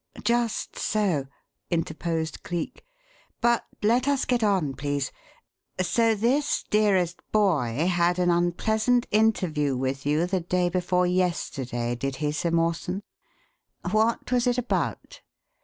"Just so!" interposed Cleek. "But let us get on, please. So this 'dearest boy' had an unpleasant interview with you the day before yesterday, did he, Sir Mawson? What was it about?"